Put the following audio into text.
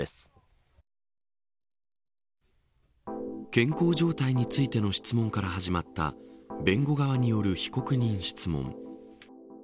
健康状態についての質問から始まった弁護側による被告人質問。